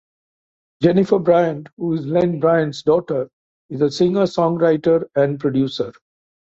Jennifer Bryant, who is Len Bryant's daughter, is a singer-songwriter and producer.